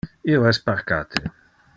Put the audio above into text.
Io es parcate.